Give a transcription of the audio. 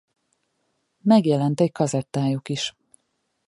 Megjelent egy kazettájuk is.